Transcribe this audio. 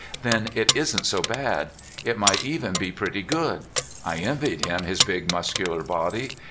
"Then it isn't so bad. It might even be pretty good. I envied him this big, muscular body.